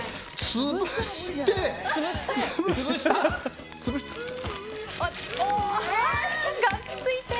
潰して。